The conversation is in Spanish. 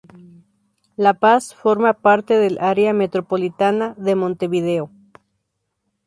La Paz forma parte del Área Metropolitana de Montevideo.